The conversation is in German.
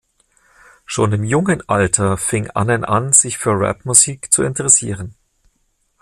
Schon im jungen Alter fing Annen an, sich für Rapmusik zu interessieren.